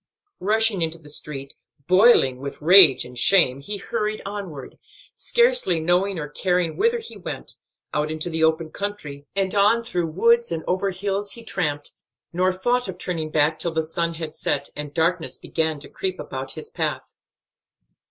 Rushing into the street, boiling with rage and shame, he hurried onward, scarcely knowing or caring whither he went; out into the open country, and on through woods and over hills he tramped, nor thought of turning back till the sun had set, and darkness began to creep about his path.